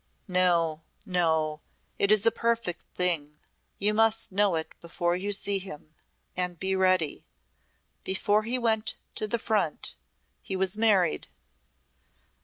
"No! No! It is a perfect thing. You must know it before you see him and be ready. Before he went to the Front he was married."